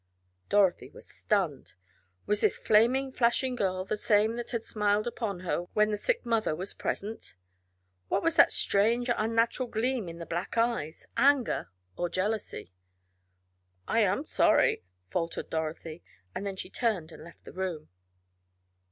Dorothy was stunned. Was this flaming, flashing girl the same that had smiled upon her when the sick mother was present? What was that strange unnatural gleam in the black eyes? Anger or jealousy? "I am sorry," faltered Dorothy; then she turned and left the room.